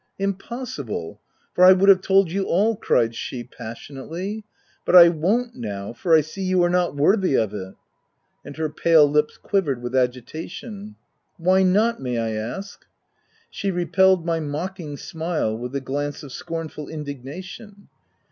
u Impossible, for I would have told you all !" cried she, passionately —" But I won't now, for I see you are not worthy of it \" And her pale lips quivered with agitation. t€ Why not, may I ask ?" She repelled my mocking smile with a glance of scornful indignation.